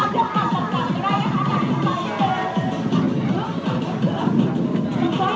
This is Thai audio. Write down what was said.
บางคนทักเบียกันกันแล้วเอาผ่านกันบนก่อนครับ